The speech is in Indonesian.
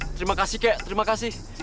terima kasih kek terima kasih